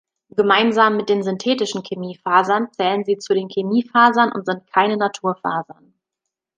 Gemeinsam mit den synthetischen Chemiefasern zählen sie zu den Chemiefasern und sind keine Naturfasern.